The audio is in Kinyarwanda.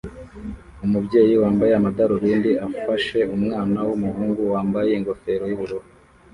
Umubyeyi wambaye amadarubindi afashe umwana wumuhungu wambaye ingofero yubururu